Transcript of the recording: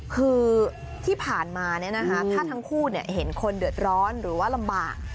คือที่ผ่านมาเนี่ยนะฮะถ้าทั้งคู่เนี่ยเห็นคนเดือดร้อนหรือว่าลำบาก